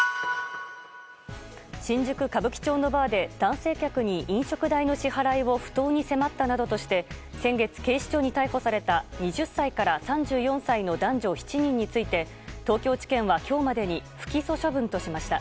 新宿・歌舞伎町のバーで男性客に飲食代の支払いを不当に迫ったなどとして先月警視庁に逮捕された２０歳から３４歳の男女７人について東京地検は今日までに不起訴処分としました。